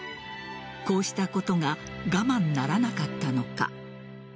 こうしたことが我慢ならなかったのか。